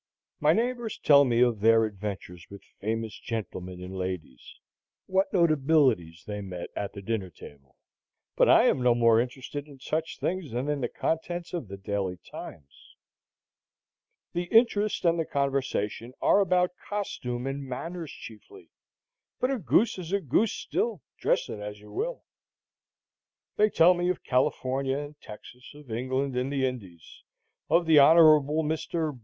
My neighbors tell me of their adventures with famous gentlemen and ladies, what notabilities they met at the dinner table; but I am no more interested in such things than in the contents of the Daily Times. The interest and the conversation are about costume and manners chiefly; but a goose is a goose still, dress it as you will. They tell me of California and Texas, of England and the Indies, of the Hon. Mr.